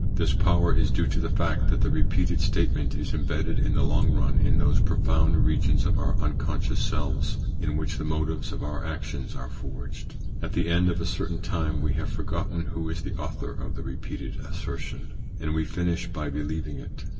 This power is due to the fact that the repeated statement is embedded in the long run in those profound regions of our unconscious selves in which the motives of our actions are forged. At the end of a certain time we have forgotten who is the author of the repeated assertion, and we finish by believing it.